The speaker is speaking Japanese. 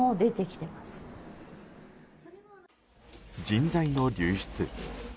人材の流出。